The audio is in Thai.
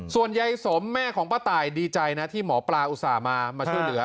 ส่วนยายสมแม่ของป้าตายดีใจนะที่หมอปลาอุตส่าห์มาช่วยเหลือ